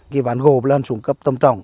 cây ván gỗ là xuống cấp tâm trọng